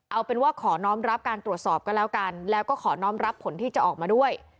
เอาเป็นว่าขอน้องรับการตรวจสอบก็แล้วกันแล้วก็ขอน้องรับผลที่จะออกมาด้วย